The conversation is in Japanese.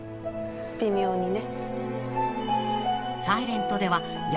「微妙にね」